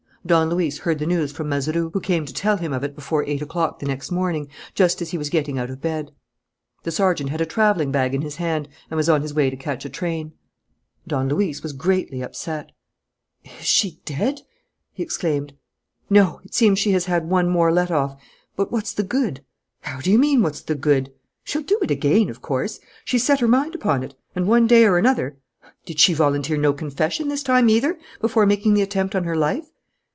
Don Luis heard the news from Mazeroux, who came to tell him of it before eight o'clock the next morning, just as he was getting out of bed. The sergeant had a travelling bag in his hand and was on his way to catch a train. Don Luis was greatly upset. "Is she dead?" he exclaimed. "No. It seems that she has had one more let off. But what's the good?" "How do you mean, what's the good?" "She'll do it again, of course. She's set her mind upon it. And, one day or another " "Did she volunteer no confession, this time either, before making the attempt on her life?"